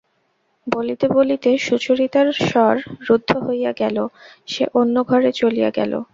বলিতে বলিতে সুচরিতার স্বর রুদ্ধ হইয়া গেল, সে অন্য ঘরে চলিয়া গেল।